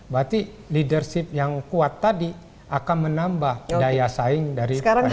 berarti leadership yang kuat tadi akan menambah daya saing dari masyarakat